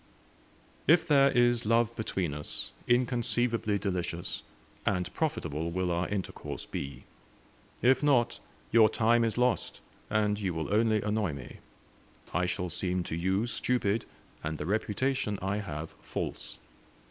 "If there is love between us, inconceivably delicious, and profitable will our intercourse be; if not, your time is lost, and you will only annoy me. I shall seem to you stupid, and the reputation I have false.